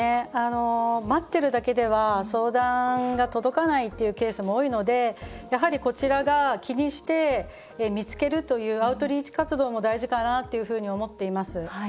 待ってるだけでは相談が届かないっていうケースも多いので、やはりこちらが気にして見つけるというアウトリーチ活動も大事かなっていうふうに思っています。